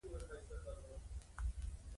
موږ له دې خوا په ټېله پسې ټېله ورکوله.